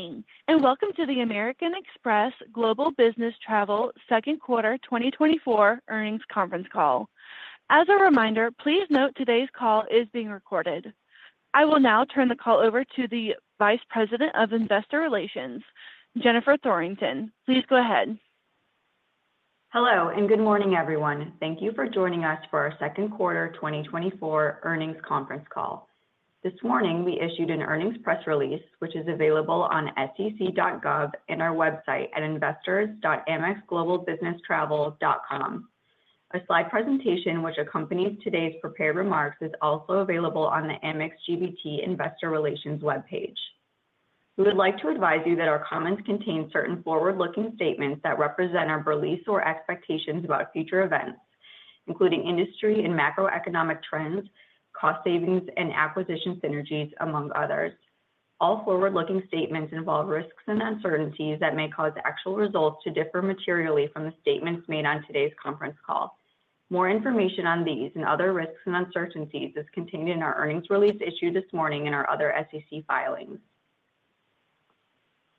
Good morning, and welcome to the American Express Global Business Travel Second Quarter 2024 Earnings Conference Call. As a reminder, please note today's call is being recorded. I will now turn the call over to the Vice President of Investor Relations, Jennifer Thorington. Please go ahead. Hello, and good morning, everyone. Thank you for joining us for our second quarter 2024 earnings conference call. This morning, we issued an earnings press release, which is available on SEC.gov and our website at investors.amexglobalbusinesstravel.com. A slide presentation, which accompanies today's prepared remarks, is also available on the Amex GBT Investor Relations webpage. We would like to advise you that our comments contain certain forward-looking statements that represent our beliefs or expectations about future events, including industry and macroeconomic trends, cost savings, and acquisition synergies, among others. All forward-looking statements involve risks and uncertainties that may cause actual results to differ materially from the statements made on today's conference call. More information on these and other risks and uncertainties is contained in our earnings release issued this morning in our other SEC filings.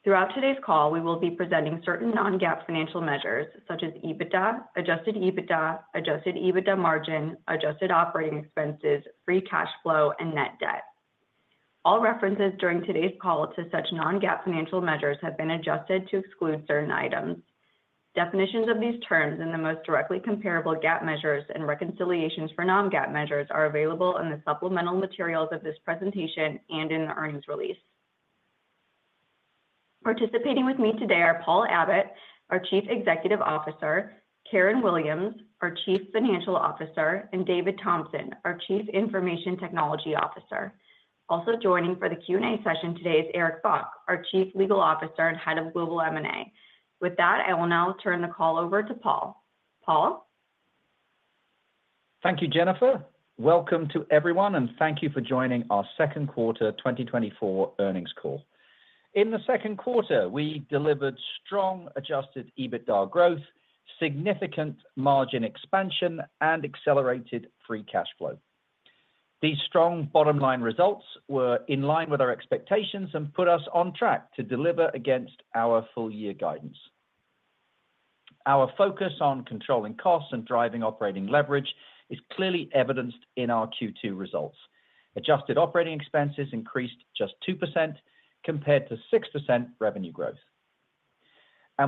Throughout today's call, we will be presenting certain non-GAAP financial measures such as EBITDA, adjusted EBITDA, adjusted EBITDA margin, adjusted operating expenses, free cash flow, and net debt. All references during today's call to such non-GAAP financial measures have been adjusted to exclude certain items. Definitions of these terms in the most directly comparable GAAP measures and reconciliations for non-GAAP measures are available in the supplemental materials of this presentation and in the earnings release. Participating with me today are Paul Abbott, our Chief Executive Officer, Karen Williams, our Chief Financial Officer, and David Thompson, our Chief Information Technology Officer. Also joining for the Q&A session today is Eric Bock, our Chief Legal Officer and Head of Global M&A. With that, I will now turn the call over to Paul. Paul? Thank you, Jennifer. Welcome to everyone, and thank you for joining our second quarter 2024 earnings call. In the second quarter, we delivered strong Adjusted EBITDA growth, significant margin expansion, and accelerated free cash flow. These strong bottom line results were in line with our expectations and put us on track to deliver against our full year guidance. Our focus on controlling costs and driving operating leverage is clearly evidenced in our Q2 results. Adjusted operating expenses increased just 2% compared to 6% revenue growth.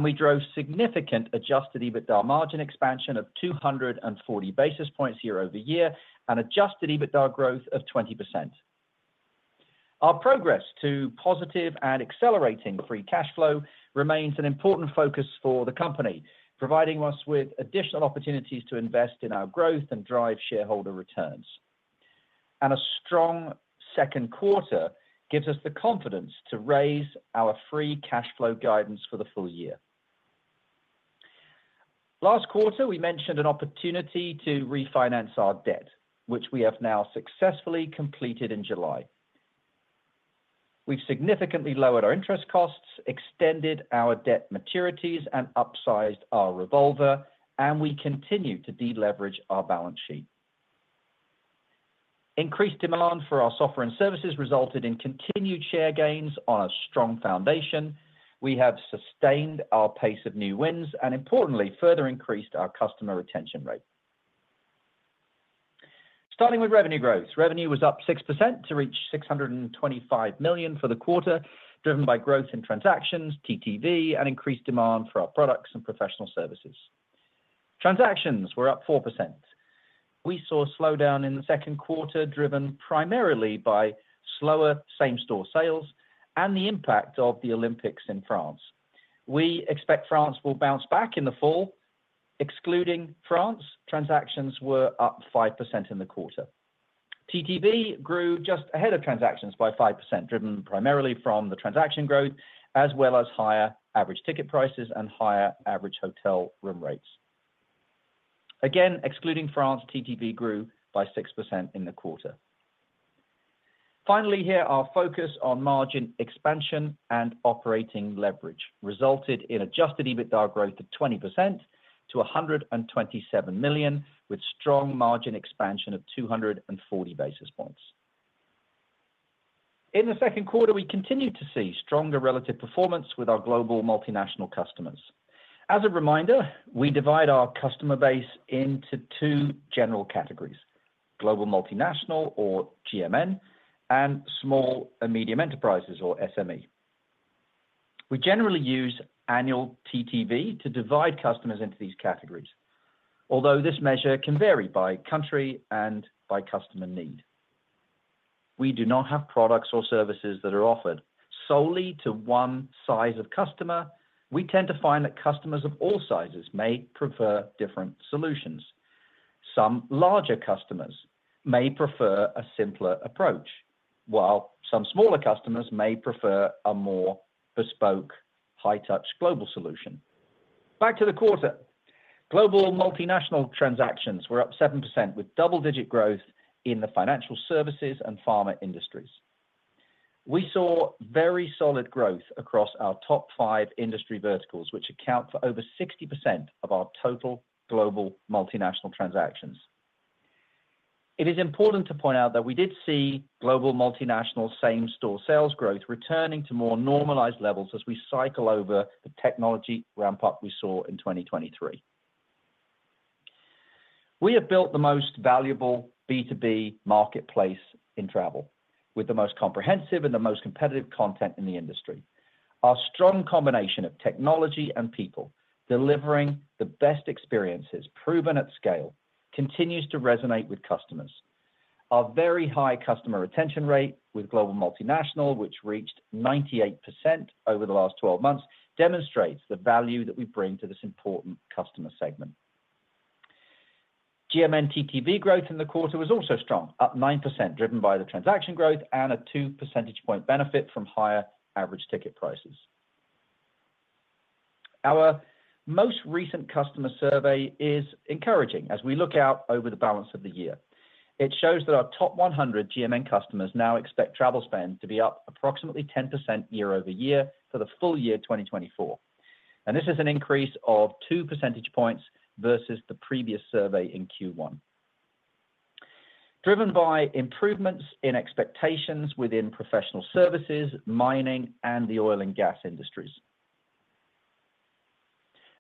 We drove significant Adjusted EBITDA margin expansion of 240 basis points year-over-year, and Adjusted EBITDA growth of 20%. Our progress to positive and accelerating free cash flow remains an important focus for the company, providing us with additional opportunities to invest in our growth and drive shareholder returns. A strong second quarter gives us the confidence to raise our Free Cash Flow guidance for the full year. Last quarter, we mentioned an opportunity to refinance our debt, which we have now successfully completed in July. We've significantly lowered our interest costs, extended our debt maturities, and upsized our revolver, and we continue to deleverage our balance sheet. Increased demand for our software and services resulted in continued share gains on a strong foundation. We have sustained our pace of new wins, and importantly, further increased our customer retention rate. Starting with revenue growth. Revenue was up 6% to reach $625 million for the quarter, driven by growth in transactions, TTV, and increased demand for our products and professional services. Transactions were up 4%. We saw a slowdown in the second quarter, driven primarily by slower same-store sales and the impact of the Olympics in France. We expect France will bounce back in the fall. Excluding France, transactions were up 5% in the quarter. TTV grew just ahead of transactions by 5%, driven primarily from the transaction growth, as well as higher average ticket prices and higher average hotel room rates. Again, excluding France, TTV grew by 6% in the quarter. Finally, here, our focus on margin expansion and operating leverage resulted in Adjusted EBITDA growth of 20% to $127 million, with strong margin expansion of 240 basis points. In the second quarter, we continued to see stronger relative performance with our global multinational customers. As a reminder, we divide our customer base into two general categories: Global Multinational or GMN, and Small and Medium Enterprises or SME. We generally use annual TTV to divide customers into these categories, although this measure can vary by country and by customer need. We do not have products or services that are offered solely to one size of customer. We tend to find that customers of all sizes may prefer different solutions. Some larger customers may prefer a simpler approach, while some smaller customers may prefer a more bespoke, high-touch global solution. Back to the quarter. Global multinational transactions were up 7%, with double-digit growth in the financial services and pharma industries. We saw very solid growth across our top five industry verticals, which account for over 60% of our total global multinational transactions.... It is important to point out that we did see Global Multinational same-store sales growth returning to more normalized levels as we cycle over the technology ramp-up we saw in 2023. We have built the most valuable B2B marketplace in travel, with the most comprehensive and the most competitive content in the industry. Our strong combination of technology and people, delivering the best experiences proven at scale, continues to resonate with customers. Our very high customer retention rate with Global Multinational, which reached 98% over the last 12 months, demonstrates the value that we bring to this important customer segment. GMN TTV growth in the quarter was also strong, up 9%, driven by the transaction growth and a 2 percentage point benefit from higher average ticket prices. Our most recent customer survey is encouraging as we look out over the balance of the year. It shows that our top 100 GMN customers now expect travel spend to be up approximately 10% year-over-year for the full year 2024, and this is an increase of two percentage points versus the previous survey in Q1. Driven by improvements in expectations within professional services, mining, and the oil and gas industries.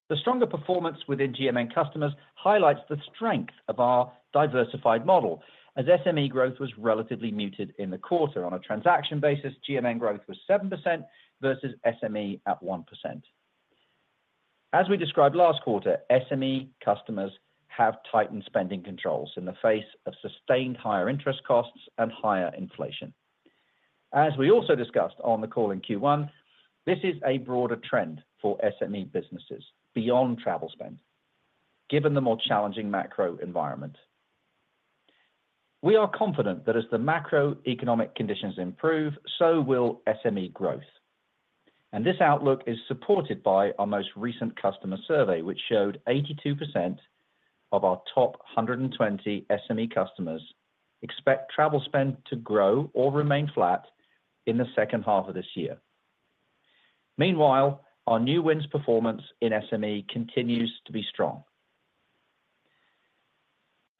The stronger performance within GMN customers highlights the strength of our diversified model, as SME growth was relatively muted in the quarter. On a transaction basis, GMN growth was 7% versus SME at 1%. As we described last quarter, SME customers have tightened spending controls in the face of sustained higher interest costs and higher inflation. As we also discussed on the call in Q1, this is a broader trend for SME businesses beyond travel spend, given the more challenging macro environment. We are confident that as the macroeconomic conditions improve, so will SME growth. This outlook is supported by our most recent customer survey, which showed 82% of our top 120 SME customers expect travel spend to grow or remain flat in the second half of this year. Meanwhile, our new wins performance in SME continues to be strong.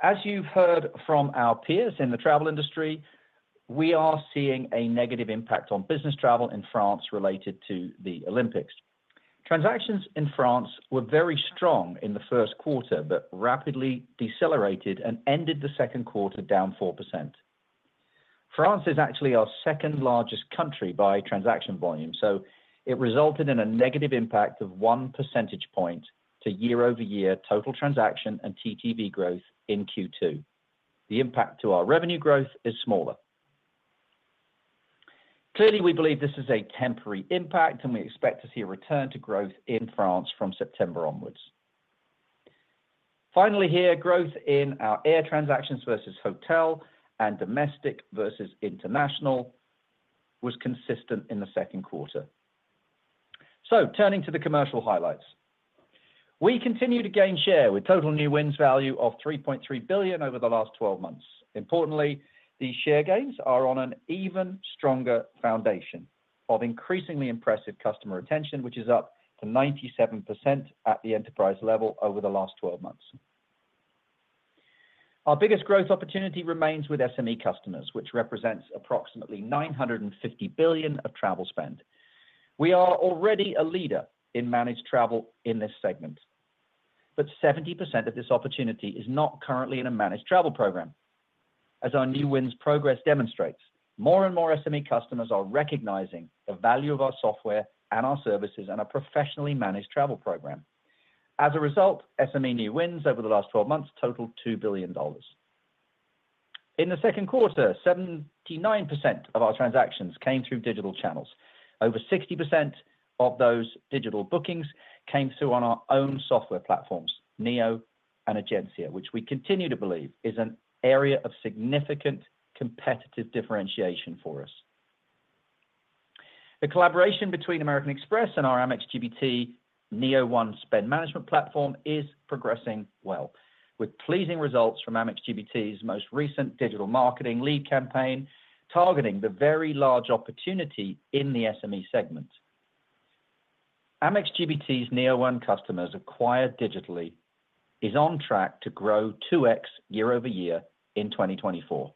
As you've heard from our peers in the travel industry, we are seeing a negative impact on business travel in France related to the Olympics. Transactions in France were very strong in the first quarter, but rapidly decelerated and ended the second quarter down 4%. France is actually our second-largest country by transaction volume, so it resulted in a negative impact of one percentage point to year-over-year total transaction and TTV growth in Q2. The impact to our revenue growth is smaller. Clearly, we believe this is a temporary impact, and we expect to see a return to growth in France from September onwards. Finally, here, growth in our air transactions versus hotel and domestic versus international was consistent in the second quarter. Turning to the commercial highlights. We continue to gain share with total new wins value of $3.3 billion over the last 12 months. Importantly, these share gains are on an even stronger foundation of increasingly impressive customer retention, which is up to 97% at the enterprise level over the last 12 months. Our biggest growth opportunity remains with SME customers, which represents approximately $950 billion of travel spend. We are already a leader in managed travel in this segment, but 70% of this opportunity is not currently in a managed travel program. As our new wins progress demonstrates, more and more SME customers are recognizing the value of our software and our services and a professionally managed travel program. As a result, SME new wins over the last twelve months totaled $2 billion. In the second quarter, 79% of our transactions came through digital channels. Over 60% of those digital bookings came through on our own software platforms, Neo and Egencia, which we continue to believe is an area of significant competitive differentiation for us. The collaboration between American Express and our Amex GBT Neo1 spend management platform is progressing well, with pleasing results from Amex GBT's most recent digital marketing lead campaign, targeting the very large opportunity in the SME segment. Amex GBT's Neo1 customers acquired digitally, is on track to grow 2x year-over-year in 2024.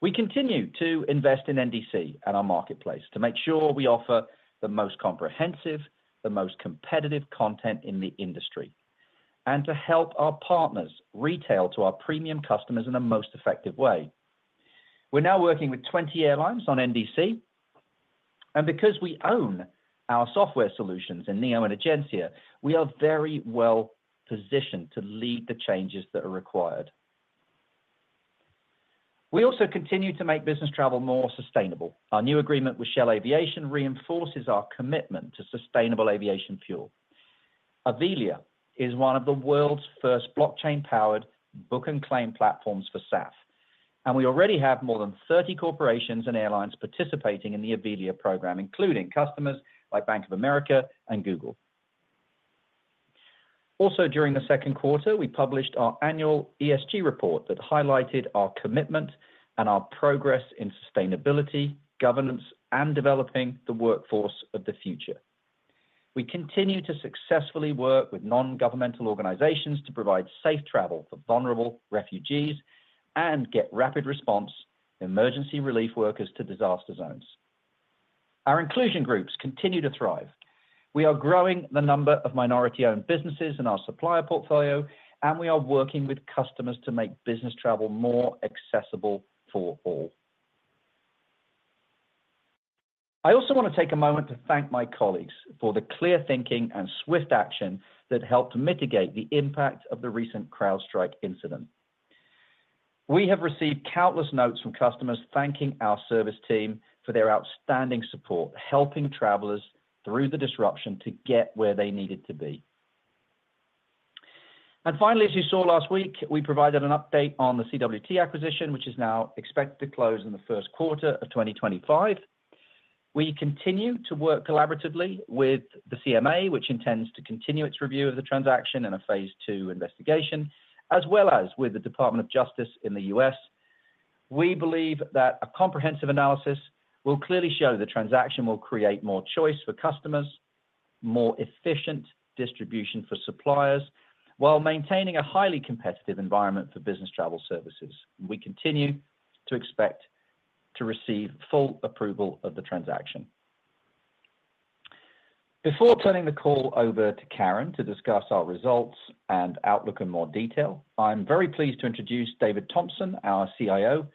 We continue to invest in NDC and our marketplace to make sure we offer the most comprehensive, the most competitive content in the industry, and to help our partners retail to our premium customers in the most effective way. We're now working with 20 airlines on NDC, and because we own our software solutions in Neo and Egencia, we are very well positioned to lead the changes that are required. We also continue to make business travel more sustainable. Our new agreement with Shell Aviation reinforces our commitment to sustainable aviation fuel. Avelia is one of the world's first blockchain-powered book-and-claim platforms for SAF, and we already have more than 30 corporations and airlines participating in the Avelia program, including customers like Bank of America and Google. Also, during the second quarter, we published our annual ESG report that highlighted our commitment and our progress in sustainability, governance, and developing the workforce of the future. We continue to successfully work with non-governmental organizations to provide safe travel for vulnerable refugees and get rapid response emergency relief workers to disaster zones. Our inclusion groups continue to thrive. We are growing the number of minority-owned businesses in our supplier portfolio, and we are working with customers to make business travel more accessible for all. I also want to take a moment to thank my colleagues for the clear thinking and swift action that helped mitigate the impact of the recent CrowdStrike incident. We have received countless notes from customers thanking our service team for their outstanding support, helping travelers through the disruption to get where they needed to be. Finally, as you saw last week, we provided an update on the CWT acquisition, which is now expected to close in the first quarter of 2025. We continue to work collaboratively with the CMA, which intends to continue its review of the transaction in a Phase II investigation, as well as with the Department of Justice in the U.S.. We believe that a comprehensive analysis will clearly show the transaction will create more choice for customers, more efficient distribution for suppliers, while maintaining a highly competitive environment for business travel services. We continue to expect to receive full approval of the transaction. Before turning the call over to Karen to discuss our results and outlook in more detail, I'm very pleased to introduce David Thompson, our CIO.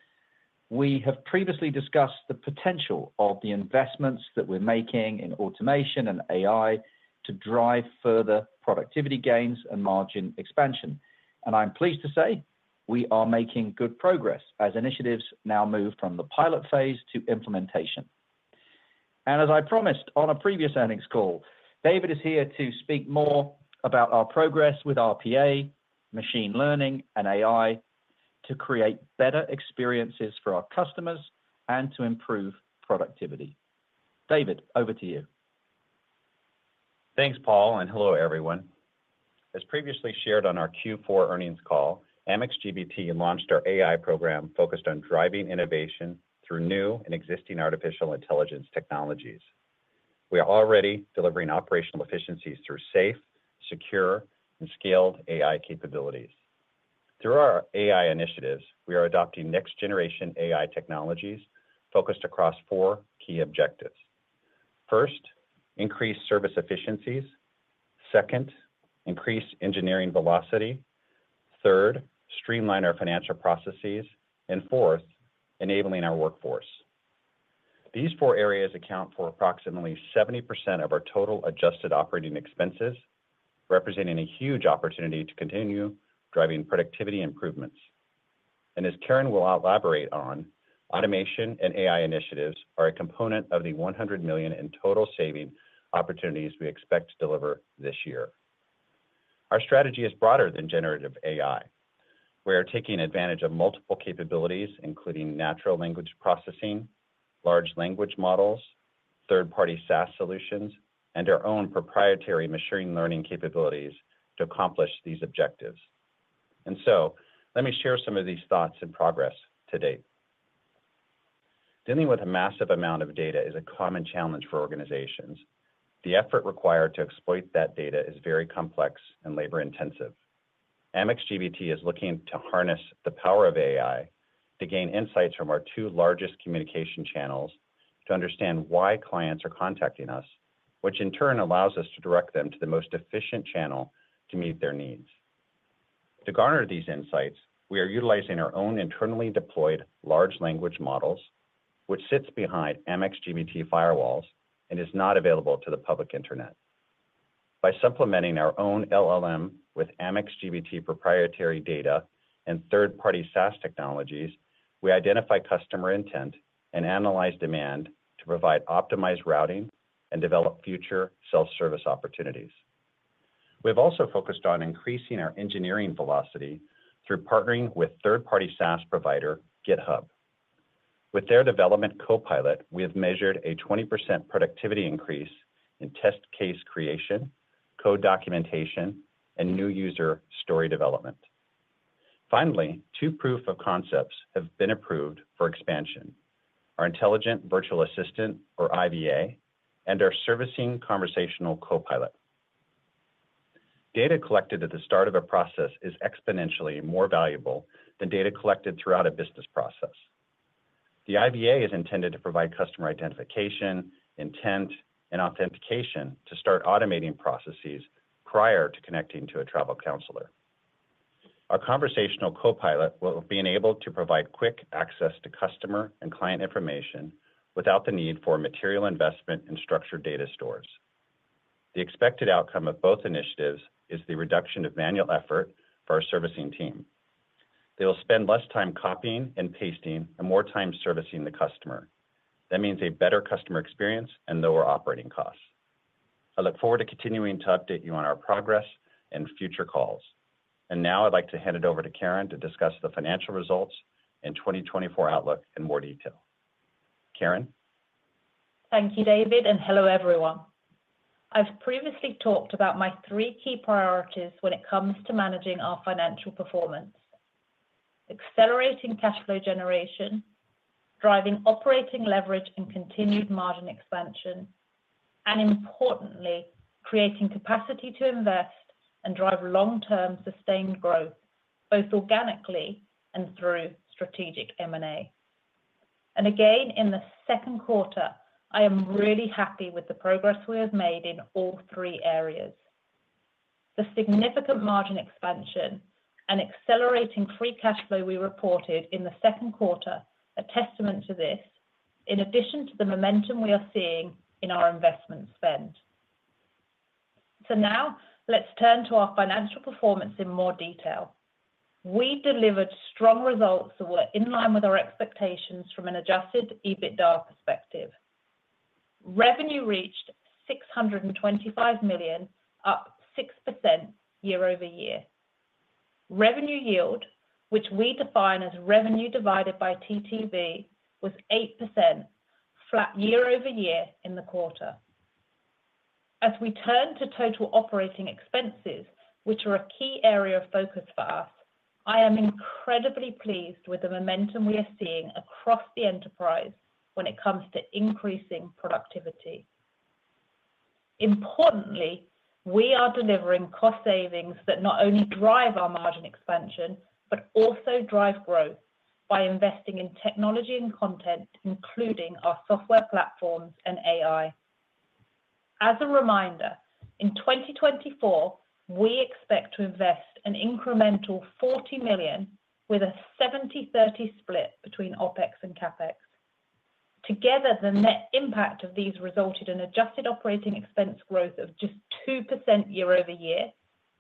We have previously discussed the potential of the investments that we're making in automation and AI to drive further productivity gains and margin expansion, and I'm pleased to say we are making good progress as initiatives now move from the pilot phase to implementation. As I promised on a previous earnings call, David is here to speak more about our progress with RPA, machine learning, and AI, to create better experiences for our customers and to improve productivity. David, over to you. Thanks, Paul, and hello, everyone. As previously shared on our Q4 earnings call, Amex GBT launched our AI program focused on driving innovation through new and existing artificial intelligence technologies. We are already delivering operational efficiencies through safe, secure, and scaled AI capabilities. Through our AI initiatives, we are adopting next-generation AI technologies focused across four key objectives: First, increase service efficiencies. Second, increase engineering velocity. Third, streamline our financial processes, and fourth, enabling our workforce. These four areas account for approximately 70% of our total Adjusted Operating Expenses, representing a huge opportunity to continue driving productivity improvements. As Karen will elaborate on, automation and AI initiatives are a component of the $100 million in total saving opportunities we expect to deliver this year. Our strategy is broader than generative AI. We are taking advantage of multiple capabilities, including natural language processing, large language models, third-party SaaS solutions, and our own proprietary machine learning capabilities to accomplish these objectives. And so let me share some of these thoughts and progress to date. Dealing with a massive amount of data is a common challenge for organizations. The effort required to exploit that data is very complex and labor-intensive. Amex GBT is looking to harness the power of AI to gain insights from our two largest communication channels to understand why clients are contacting us, which in turn allows us to direct them to the most efficient channel to meet their needs. To garner these insights, we are utilizing our own internally deployed large language models, which sits behind Amex GBT firewalls and is not available to the public internet. By supplementing our own LLM with Amex GBT proprietary data and third-party SaaS technologies, we identify customer intent and analyze demand to provide optimized routing and develop future self-service opportunities. We've also focused on increasing our engineering velocity through partnering with third-party SaaS provider, GitHub. With their Copilot, we have measured a 20% productivity increase in test case creation, code documentation, and new user story development. Finally, two proof of concepts have been approved for expansion: our intelligent virtual assistant, or IVA, and our servicing conversational copilot. Data collected at the start of a process is exponentially more valuable than data collected throughout a business process. The IVA is intended to provide customer identification, intent, and authentication to start automating processes prior to connecting to a travel counselor. Our conversational copilot will be enabled to provide quick access to customer and client information without the need for material investment in structured data stores. The expected outcome of both initiatives is the reduction of manual effort for our servicing team. They will spend less time copying and pasting and more time servicing the customer. That means a better customer experience and lower operating costs. I look forward to continuing to update you on our progress in future calls. And now I'd like to hand it over to Karen to discuss the financial results and 2024 outlook in more detail. Karen? Thank you, David, and hello, everyone. I've previously talked about my three key priorities when it comes to managing our financial performance: accelerating cash flow generation, driving operating leverage and continued margin expansion, and importantly, creating capacity to invest and drive long-term sustained growth, both organically and through strategic M&A. Again, in the second quarter, I am really happy with the progress we have made in all three areas. The significant margin expansion and accelerating Free Cash Flow we reported in the second quarter, a testament to this, in addition to the momentum we are seeing in our investment spend. Now let's turn to our financial performance in more detail. We delivered strong results that were in line with our expectations from an Adjusted EBITDA perspective. Revenue reached $625 million, up 6% year-over-year. Revenue yield, which we define as revenue divided by TTV, was 8%, flat year-over-year in the quarter. As we turn to total operating expenses, which are a key area of focus for us, I am incredibly pleased with the momentum we are seeing across the enterprise when it comes to increasing productivity. Importantly, we are delivering cost savings that not only drive our margin expansion, but also drive growth by investing in technology and content, including our software platforms and AI. As a reminder, in 2024, we expect to invest an incremental $40 million with a 70-30 split between OpEx and CapEx. Together, the net impact of these resulted in adjusted operating expense growth of just 2% year-over-year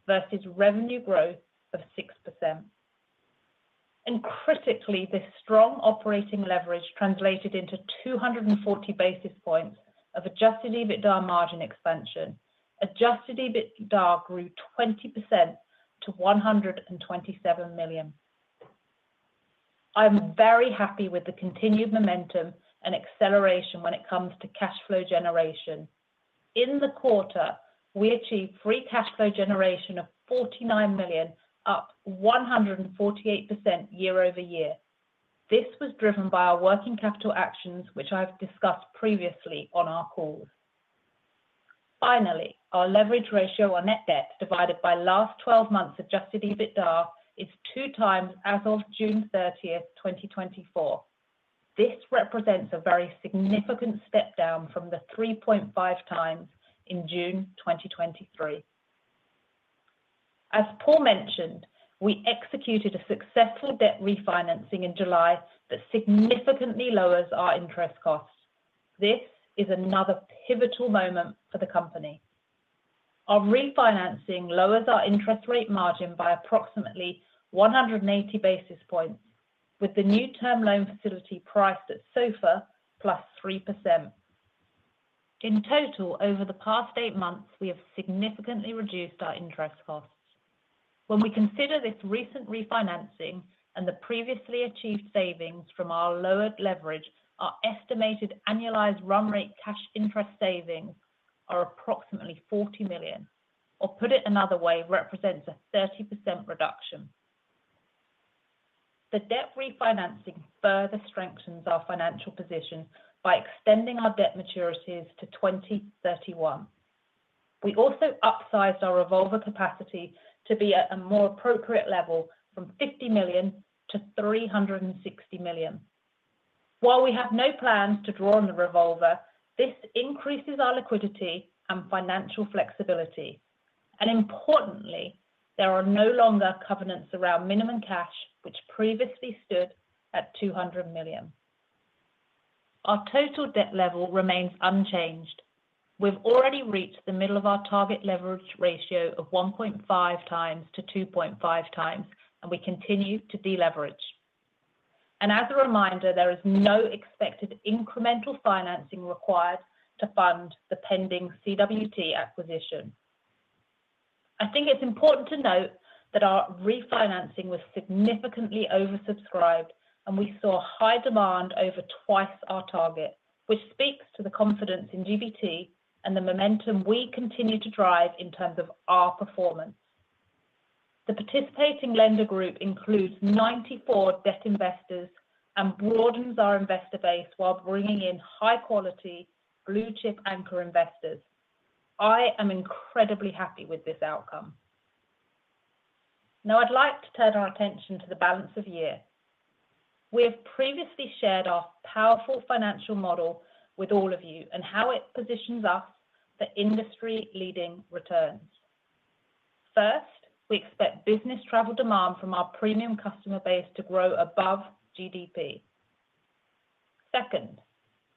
versus revenue growth of 6%. Critically, this strong operating leverage translated into 240 basis points of adjusted EBITDA margin expansion. Adjusted EBITDA grew 20% to $127 million. I'm very happy with the continued momentum and acceleration when it comes to cash flow generation. In the quarter, we achieved free cash flow generation of $49 million, up 148% year-over-year. This was driven by our working capital actions, which I've discussed previously on our calls. Finally, our leverage ratio on net debt, divided by last twelve months adjusted EBITDA, is 2x as of June 30, 2024. This represents a very significant step down from the 3.5x in June 2023. As Paul mentioned, we executed a successful debt refinancing in July that significantly lowers our interest costs. This is another pivotal moment for the company. Our refinancing lowers our interest rate margin by approximately 180 basis points, with the new term loan facility priced at SOFR + 3%. In total, over the past eight months, we have significantly reduced our interest costs. When we consider this recent refinancing and the previously achieved savings from our lowered leverage, our estimated annualized run rate cash interest savings are approximately $40 million, or put it another way, represents a 30% reduction. The debt refinancing further strengthens our financial position by extending our debt maturities to 2031. We also upsized our revolver capacity to be at a more appropriate level from $50 million-$360 million. While we have no plans to draw on the revolver, this increases our liquidity and financial flexibility. Importantly, there are no longer covenants around minimum cash, which previously stood at $200 million. Our total debt level remains unchanged. We've already reached the middle of our target leverage ratio of 1.5x-2.5x, and we continue to deleverage. And as a reminder, there is no expected incremental financing required to fund the pending CWT acquisition. I think it's important to note that our refinancing was significantly oversubscribed, and we saw high demand over twice our target, which speaks to the confidence in GBT and the momentum we continue to drive in terms of our performance. The participating lender group includes 94 debt investors and broadens our investor base while bringing in high-quality, blue-chip anchor investors. I am incredibly happy with this outcome. Now, I'd like to turn our attention to the balance of year. We have previously shared our powerful financial model with all of you and how it positions us for industry-leading returns. First, we expect business travel demand from our premium customer base to grow above GDP. Second,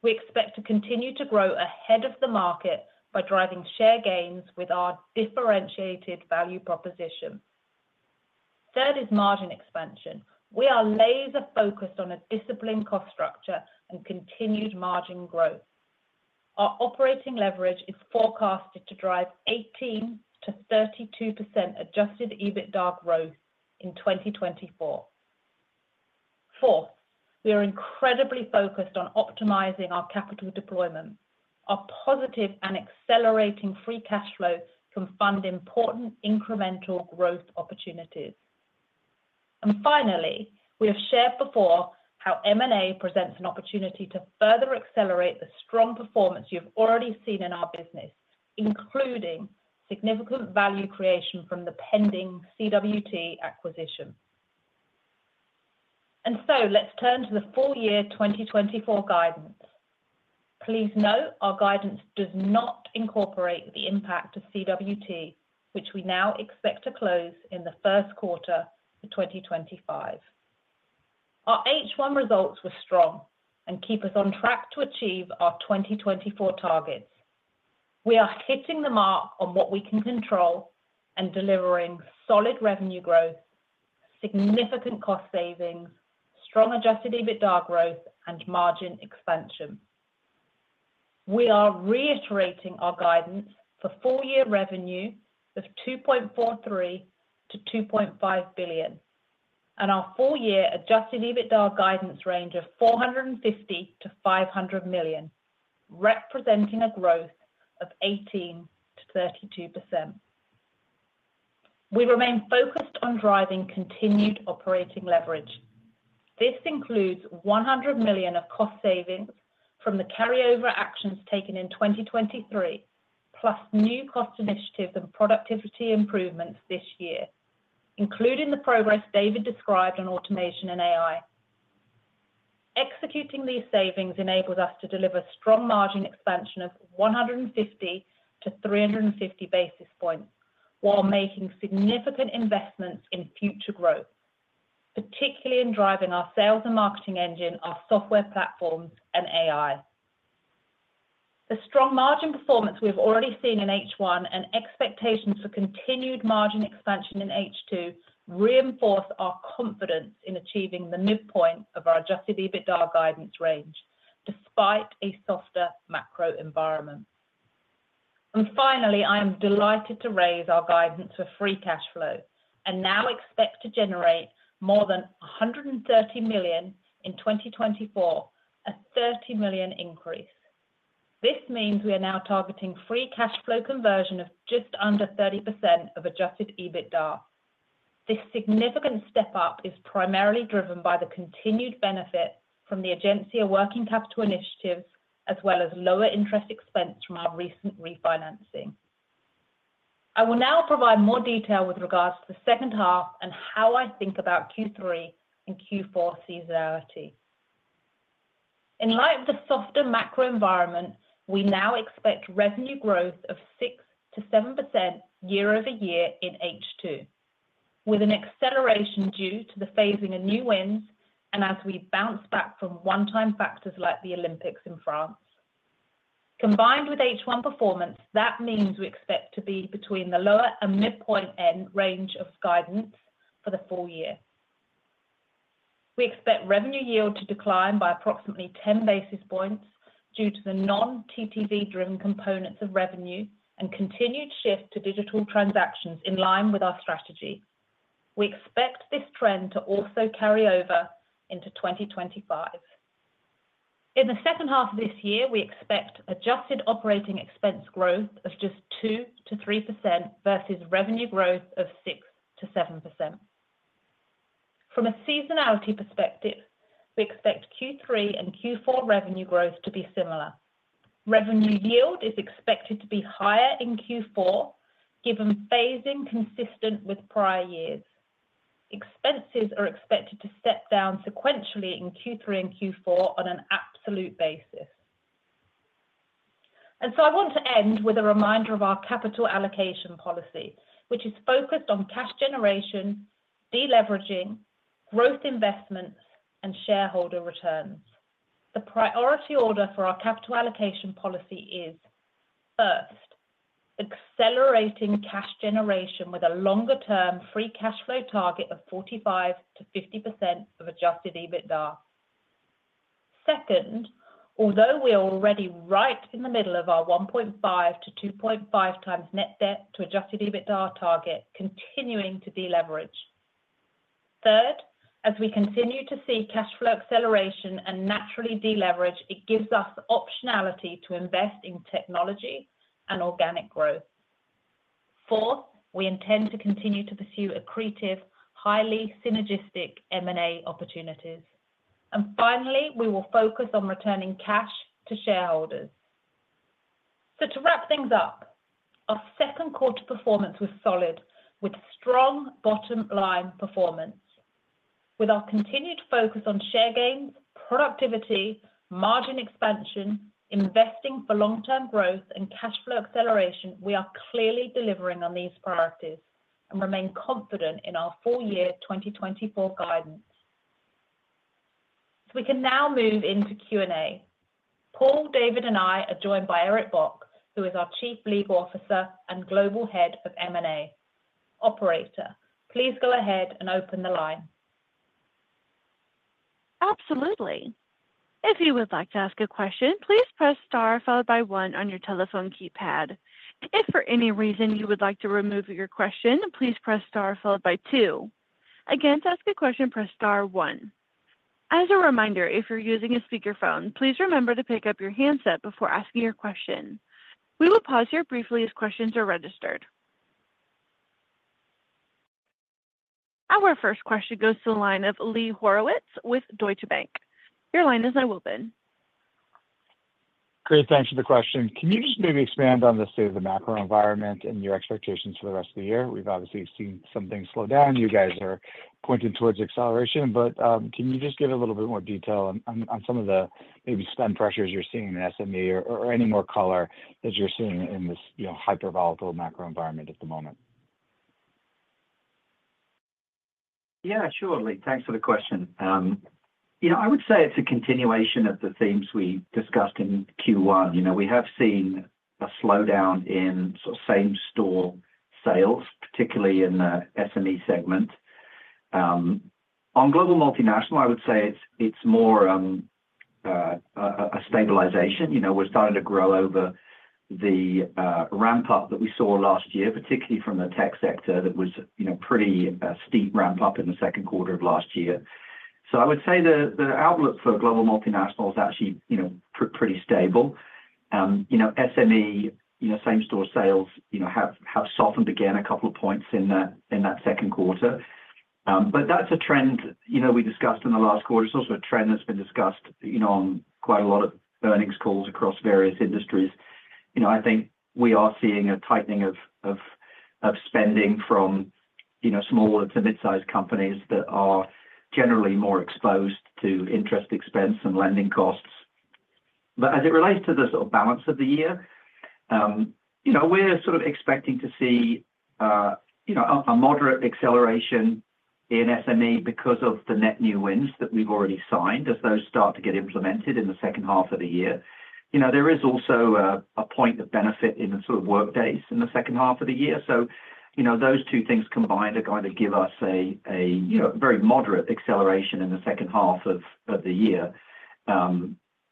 we expect to continue to grow ahead of the market by driving share gains with our differentiated value proposition. Third is margin expansion. We are laser-focused on a disciplined cost structure and continued margin growth. Our operating leverage is forecasted to drive 18%-32% Adjusted EBITDA growth in 2024. Fourth, we are incredibly focused on optimizing our capital deployment. Our positive and accelerating free cash flow can fund important incremental growth opportunities. And finally, we have shared before how M&A presents an opportunity to further accelerate the strong performance you've already seen in our business, including significant value creation from the pending CWT acquisition. And so let's turn to the full year 2024 guidance. Please note, our guidance does not incorporate the impact of CWT, which we now expect to close in the first quarter of 2025. Our H1 results were strong and keep us on track to achieve our 2024 targets. We are hitting the mark on what we can control and delivering solid revenue growth, significant cost savings, strong Adjusted EBITDA growth, and margin expansion. We are reiterating our guidance for full year revenue of $2.43 billion-$2.5 billion, and our full year Adjusted EBITDA guidance range of $450 million-$500 million, representing a growth of 18%-32%. We remain focused on driving continued operating leverage. This includes $100 million of cost savings from the carryover actions taken in 2023, plus new cost initiatives and productivity improvements this year, including the progress David described on automation and AI. Executing these savings enables us to deliver strong margin expansion of 150-350 basis points, while making significant investments in future growth, particularly in driving our sales and marketing engine, our software platforms, and AI. The strong margin performance we have already seen in H1 and expectations for continued margin expansion in H2 reinforce our confidence in achieving the midpoint of our Adjusted EBITDA guidance range despite a softer macro environment. And finally, I am delighted to raise our guidance for free cash flow and now expect to generate more than $130 million in 2024, a $30 million increase. This means we are now targeting free cash flow conversion of just under 30% of Adjusted EBITDA. This significant step up is primarily driven by the continued benefit from the Egencia working capital initiatives, as well as lower interest expense from our recent refinancing. I will now provide more detail with regards to the second half and how I think about Q3 and Q4 seasonality. In light of the softer macro environment, we now expect revenue growth of 6%-7% year-over-year in H2, with an acceleration due to the phasing of new wins and as we bounce back from one-time factors like the Olympics in France. Combined with H1 performance, that means we expect to be between the lower and midpoint end range of guidance for the full year. We expect revenue yield to decline by approximately 10 basis points due to the non-TTV driven components of revenue and continued shift to digital transactions in line with our strategy. We expect this trend to also carry over into 2025. In the second half of this year, we expect Adjusted Operating Expense growth of just 2%-3% versus revenue growth of 6%-7%. From a seasonality perspective, we expect Q3 and Q4 revenue growth to be similar. Revenue yield is expected to be higher in Q4, given phasing consistent with prior years. Expenses are expected to step down sequentially in Q3 and Q4 on an absolute basis. And so I want to end with a reminder of our capital allocation policy, which is focused on cash generation, deleveraging, growth investments, and shareholder returns. The priority order for our capital allocation policy is, first, accelerating cash generation with a longer-term Free Cash Flow target of 45%-50% of Adjusted EBITDA. Second, although we are already right in the middle of our 1.5x-2.5x Net Debt to Adjusted EBITDA target, continuing to deleverage. Third, as we continue to see cash flow acceleration and naturally deleverage, it gives us the optionality to invest in technology and organic growth. Fourth, we intend to continue to pursue accretive, highly synergistic M&A opportunities. And finally, we will focus on returning cash to shareholders. To wrap things up, our second quarter performance was solid, with strong bottom line performance. With our continued focus on share gains, productivity, margin expansion, investing for long-term growth, and cash flow acceleration, we are clearly delivering on these priorities and remain confident in our full-year 2024 guidance. So we can now move into Q&A. Paul, David, and I are joined by Eric Bock, who is our Chief Legal Officer and Global Head of M&A. Operator, please go ahead and open the line. Absolutely!... If you would like to ask a question, please press star followed by one on your telephone keypad. If for any reason you would like to remove your question, please press star followed by two. Again, to ask a question, press star one. As a reminder, if you're using a speakerphone, please remember to pick up your handset before asking your question. We will pause here briefly as questions are registered. Our first question goes to the line of Lee Horowitz with Deutsche Bank. Your line is now open. Great, thanks for the question. Can you just maybe expand on the state of the macro environment and your expectations for the rest of the year? We've obviously seen some things slow down. You guys are pointing towards acceleration, but, can you just give a little bit more detail on, on some of the maybe spend pressures you're seeing in SME or, or any more color that you're seeing in this, you know, hyper volatile macro environment at the moment? Yeah, sure, Lee, thanks for the question. You know, I would say it's a continuation of the themes we discussed in Q1. You know, we have seen a slowdown in sort of same store sales, particularly in the SME segment. On global multinational, I would say it's more a stabilization. You know, we're starting to grow over the ramp-up that we saw last year, particularly from the tech sector. That was, you know, pretty steep ramp-up in the second quarter of last year. So I would say the outlook for global multinational is actually, you know, pretty stable. You know, SME, you know, same store sales, you know, have softened again a couple of points in that second quarter. But that's a trend, you know, we discussed in the last quarter. It's also a trend that's been discussed, you know, on quite a lot of earnings calls across various industries. You know, I think we are seeing a tightening of spending from, you know, small to mid-sized companies that are generally more exposed to interest expense and lending costs. But as it relates to the sort of balance of the year, you know, we're sort of expecting to see a moderate acceleration in SME because of the net new wins that we've already signed as those start to get implemented in the second half of the year. You know, there is also a point of benefit in the sort of work days in the second half of the year. So, you know, those two things combined are going to give us a you know very moderate acceleration in the second half of the year.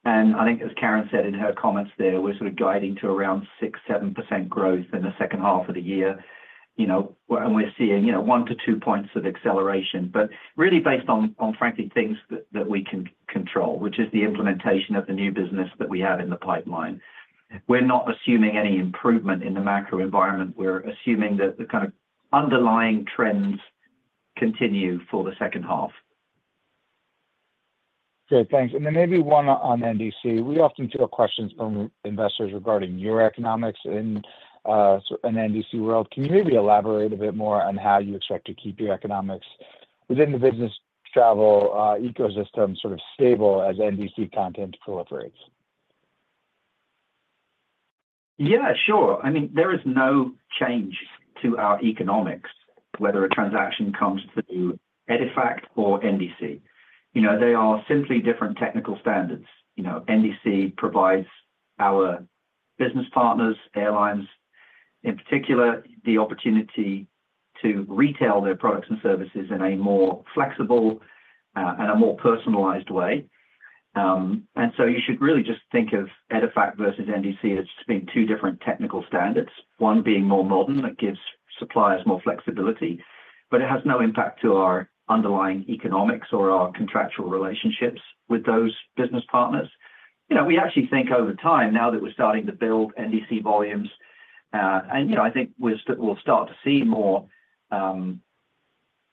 And I think as Karen said in her comments there, we're sort of guiding to around 6%-7% growth in the second half of the year. You know, and we're seeing, you know, 1-2 points of acceleration, but really based on frankly things that we can control, which is the implementation of the new business that we have in the pipeline. We're not assuming any improvement in the macro environment. We're assuming that the kind of underlying trends continue for the second half. Great, thanks. And then maybe one on NDC. We often get questions from investors regarding your economics in, so an NDC world. Can you maybe elaborate a bit more on how you expect to keep your economics within the business travel, ecosystem sort of stable as NDC content proliferates? Yeah, sure. I mean, there is no change to our economics, whether a transaction comes through EDIFACT or NDC. You know, they are simply different technical standards. You know, NDC provides our business partners, airlines, in particular, the opportunity to retail their products and services in a more flexible, and a more personalized way. And so you should really just think of EDIFACT versus NDC as just being two different technical standards, one being more modern, that gives suppliers more flexibility, but it has no impact to our underlying economics or our contractual relationships with those business partners. You know, we actually think over time, now that we're starting to build NDC volumes, and, you know, I think we'll start to see more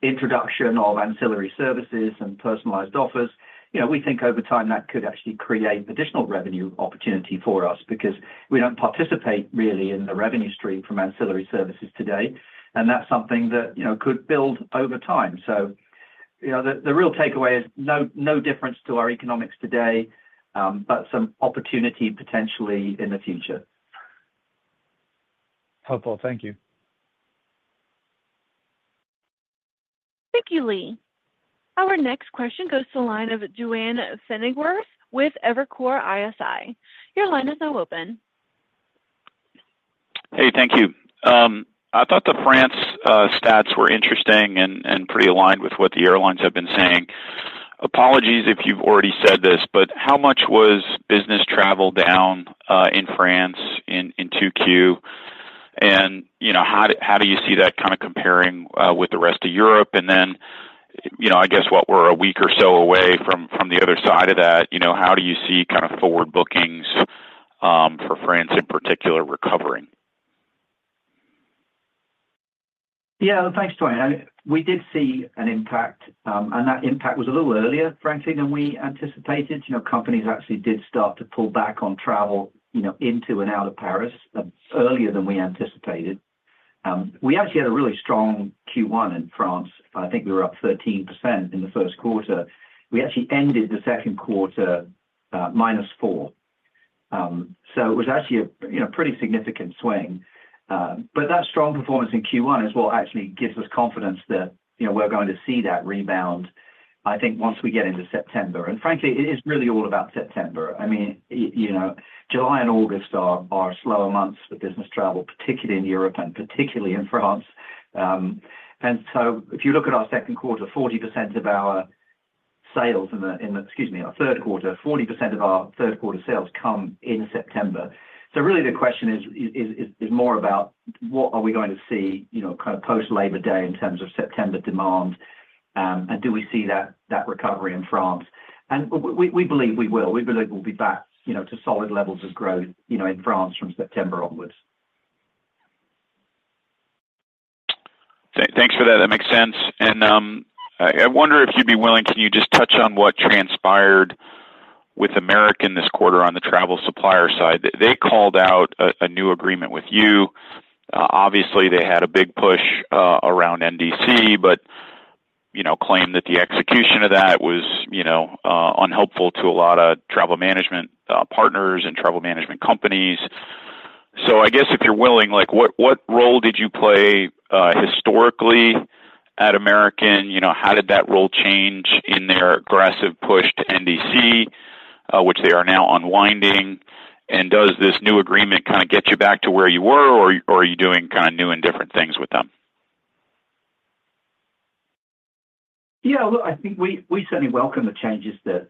introduction of ancillary services and personalized offers. You know, we think over time, that could actually create additional revenue opportunity for us because we don't participate really in the revenue stream from ancillary services today, and that's something that, you know, could build over time. So, you know, the real takeaway is no, no difference to our economics today, but some opportunity potentially in the future. Helpful. Thank you. Thank you, Lee. Our next question goes to the line of Duane Pfennigwerth with Evercore ISI. Your line is now open. Hey, thank you. I thought the France stats were interesting and pretty aligned with what the airlines have been saying. Apologies if you've already said this, but how much was business travel down in France in 2Q? And, you know, how do you see that kind of comparing with the rest of Europe? And then, you know, I guess we're a week or so away from the other side of that, you know, how do you see kind of forward bookings for France in particular, recovering? Yeah, thanks, Duane. We did see an impact, and that impact was a little earlier, frankly, than we anticipated. You know, companies actually did start to pull back on travel, you know, into and out of Paris, earlier than we anticipated. We actually had a really strong Q1 in France. I think we were up 13% in the first quarter. We actually ended the second quarter, -4%. So it was actually a, you know, pretty significant swing. But that strong performance in Q1 is what actually gives us confidence that, you know, we're going to see that rebound, I think, once we get into September. And frankly, it, it's really all about September. I mean, you know, July and August are, are slower months for business travel, particularly in Europe and particularly in France.... And so if you look at our second quarter, 40% of our sales in the, excuse me, our third quarter, 40% of our third quarter sales come in September. So really the question is more about what are we going to see, you know, kind of post Labor Day in terms of September demand, and do we see that recovery in France? And we believe we will. We believe we'll be back, you know, to solid levels of growth, you know, in France from September onwards. Thanks for that. That makes sense. And, I wonder if you'd be willing, can you just touch on what transpired with American this quarter on the travel supplier side? They called out a new agreement with you. Obviously, they had a big push around NDC, but, you know, claimed that the execution of that was, you know, unhelpful to a lot of travel management partners and travel management companies. So I guess if you're willing, like, what role did you play historically at American? You know, how did that role change in their aggressive push to NDC, which they are now unwinding? And does this new agreement kinda get you back to where you were, or are you doing kinda new and different things with them? Yeah, look, I think we certainly welcome the changes that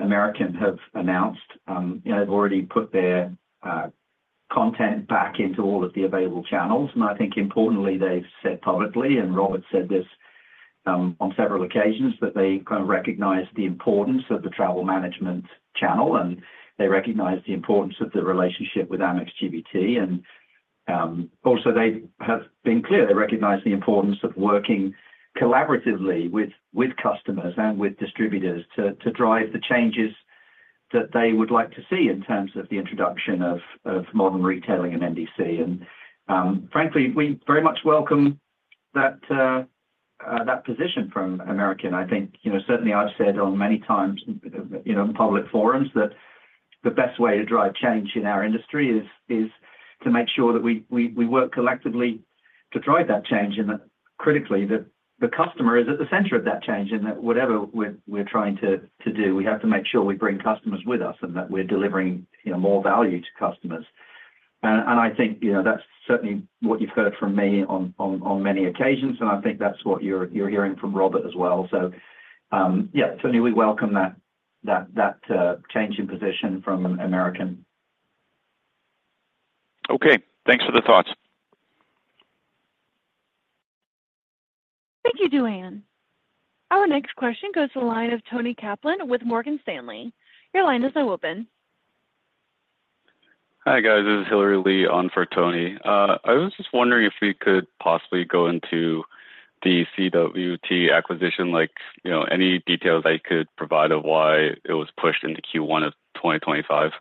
American have announced. They've already put their content back into all of the available channels, and I think importantly, they've said publicly, and Robert said this on several occasions, that they kind of recognize the importance of the travel management channel, and they recognize the importance of the relationship with Amex GBT. Also, they have been clear, they recognize the importance of working collaboratively with customers and with distributors to drive the changes that they would like to see in terms of the introduction of modern retailing and NDC. Frankly, we very much welcome that position from American. I think, you know, certainly I've said on many times, you know, in public forums, that the best way to drive change in our industry is to make sure that we work collectively to drive that change, and that critically, that the customer is at the center of that change. And that whatever we're trying to do, we have to make sure we bring customers with us, and that we're delivering, you know, more value to customers. And I think, you know, that's certainly what you've heard from me on many occasions, and I think that's what you're hearing from Robert as well. So, yeah, certainly we welcome that change in position from American. Okay, thanks for the thoughts. Thank you, Duane. Our next question goes to the line of Toni Kaplan with Morgan Stanley. Your line is now open. Hi, guys. This is Hillary Lee on for Toni. I was just wondering if we could possibly go into the CWT acquisition, like, you know, any details that you could provide of why it was pushed into Q1 of 2025?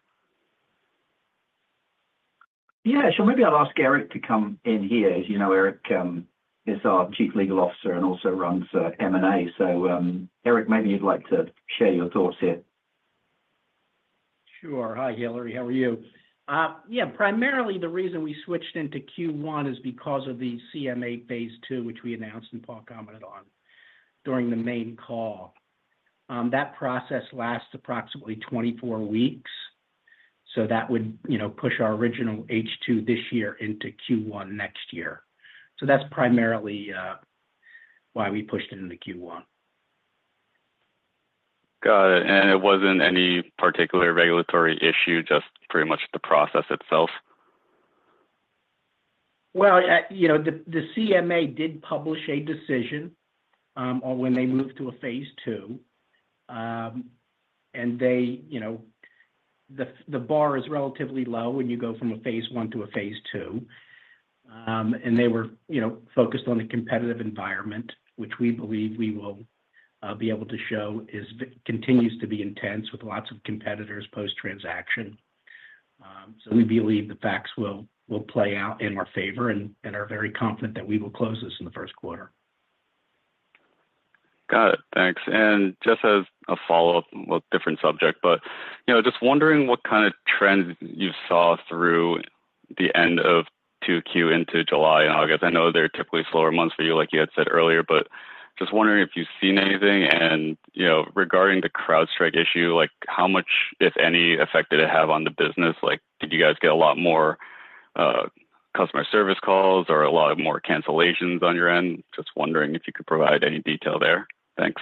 Yeah. Sure. Maybe I'll ask Eric to come in here. As you know, Eric, is our Chief Legal Officer and also runs, M&A. So, Eric, maybe you'd like to share your thoughts here. Sure. Hi, Hillary, how are you? Yeah, primarily the reason we switched into Q1 is because of the CMA Phase II, which we announced, and Paul commented on during the main call. That process lasts approximately 24 weeks, so that would, you know, push our original H2 this year into Q1 next year. So that's primarily why we pushed it into Q1. Got it. It wasn't any particular regulatory issue, just pretty much the process itself? Well, you know, the CMA did publish a decision on when they moved to a Phase II. And they, you know. The bar is relatively low when you go from a Phase I to a Phase II. And they were, you know, focused on the competitive environment, which we believe we will be able to show continues to be intense with lots of competitors post-transaction. So we believe the facts will play out in our favor and are very confident that we will close this in the first quarter. Got it. Thanks. And just as a follow-up, well, different subject, but you know, just wondering what kind of trends you saw through the end of 2Q into July and August. I know they're typically slower months for you, like you had said earlier, but just wondering if you've seen anything. And, you know, regarding the CrowdStrike issue, like, how much, if any, effect did it have on the business? Like, did you guys get a lot more, customer service calls or a lot of more cancellations on your end? Just wondering if you could provide any detail there. Thanks.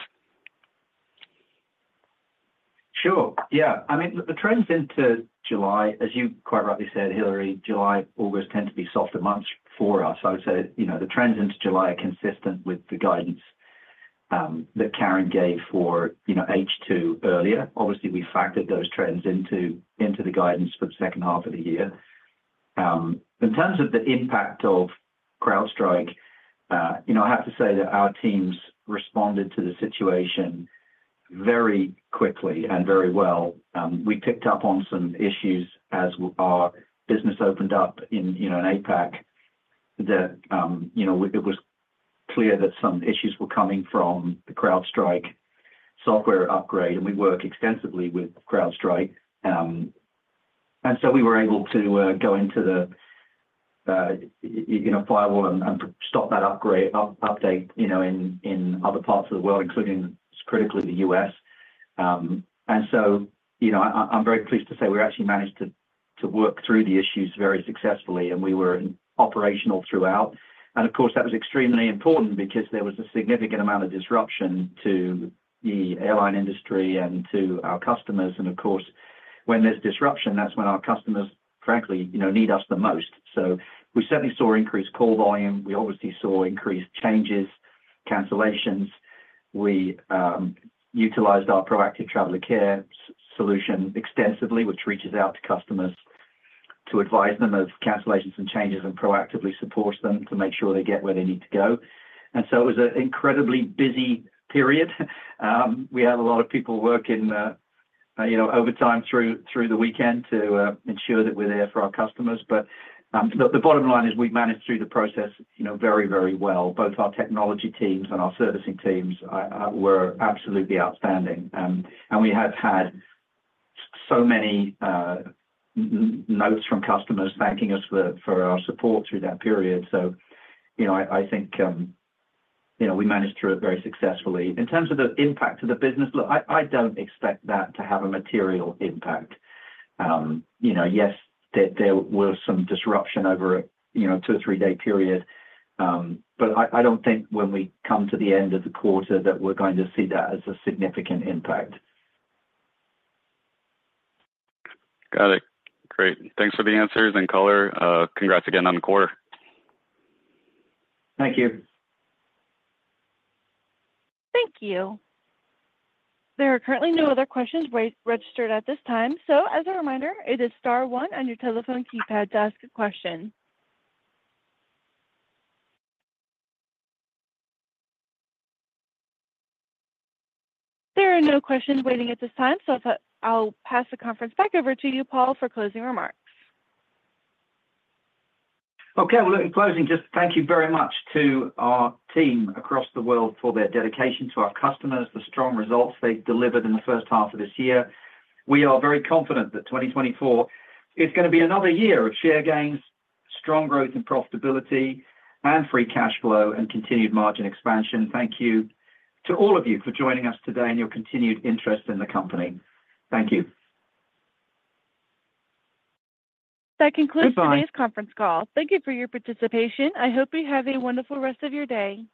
Sure. Yeah. I mean, the trends into July, as you quite rightly said, Hillary, July, August, tend to be softer months for us. I would say, you know, the trends into July are consistent with the guidance that Karen gave for, you know, H2 earlier. Obviously, we factored those trends into the guidance for the second half of the year. In terms of the impact of CrowdStrike, you know, I have to say that our teams responded to the situation very quickly and very well. We picked up on some issues as our business opened up in, you know, in APAC, that, you know, it was clear that some issues were coming from the CrowdStrike software upgrade, and we work extensively with CrowdStrike. And so we were able to, you know, go into the firewall and stop that update, you know, in other parts of the world, including critically the U.S. And so, you know, I'm very pleased to say we actually managed to work through the issues very successfully, and we were operational throughout. And of course, that was extremely important because there was a significant amount of disruption to the airline industry and to our customers. And of course, when there's disruption, that's when our customers, frankly, you know, need us the most. So we certainly saw increased call volume. We obviously saw increased changes, cancellations. We utilized our proactive traveler care solution extensively, which reaches out to customers to advise them of cancellations and changes and proactively supports them to make sure they get where they need to go. It was an incredibly busy period. We had a lot of people working, you know, overtime through the weekend to ensure that we're there for our customers. Look, the bottom line is we managed through the process, you know, very, very well. Both our technology teams and our servicing teams were absolutely outstanding. We have had so many notes from customers thanking us for our support through that period. You know, I think, you know, we managed through it very successfully. In terms of the impact to the business, look, I don't expect that to have a material impact. You know, yes, there, there was some disruption over a, you know, 2-day or 3-day period, but I, I don't think when we come to the end of the quarter that we're going to see that as a significant impact. Got it. Great. Thanks for the answers and color. Congrats again on the quarter. Thank you. Thank you. There are currently no other questions registered at this time, so as a reminder, it is star one on your telephone keypad to ask a question. There are no questions waiting at this time, so I'll pass the conference back over to you, Paul, for closing remarks. Okay, well, look, in closing, just thank you very much to our team across the world for their dedication to our customers, the strong results they've delivered in the first half of this year. We are very confident that 2024 is going to be another year of share gains, strong growth and profitability, and Free Cash Flow and continued margin expansion. Thank you to all of you for joining us today and your continued interest in the company. Thank you. That concludes- Goodbye... today's conference call. Thank you for your participation. I hope you have a wonderful rest of your day.